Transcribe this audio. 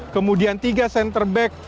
kemudian tiga center back